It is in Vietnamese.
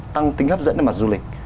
tăng tính hấp dẫn đến mặt du lịch